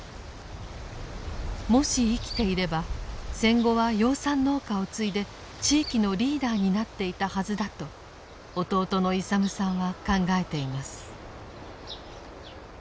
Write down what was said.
もし生きていれば戦後は養蚕農家を継いで地域のリーダーになっていたはずだと弟の勇さんは考えています。